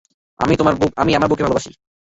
আমি আমার বউকে ভালোবাসি!